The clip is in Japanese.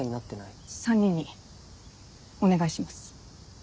３人にお願いします。